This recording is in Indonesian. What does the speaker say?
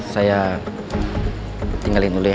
saya tinggalin dulu ya